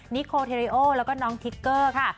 นิโคเทเรโอแล้วก็น้องทิกเกอร์ค่ะ